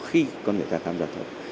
khi con người ta tham gia thói